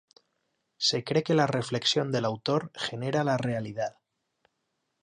Se cree que la reflexión del autor genera la realidad.